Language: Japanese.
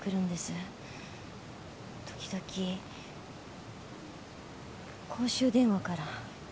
時々公衆電話から。